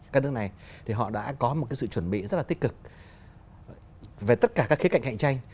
các nước này thì họ đã có một cái sự chuẩn bị rất là tích cực về tất cả các khía cạnh cạnh tranh